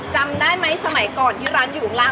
จำได้ไหมสมัยก่อนที่ร้านอยู่ข้างล่าง